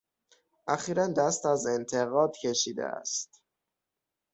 اخیرا دست از انتقاد کشیده است.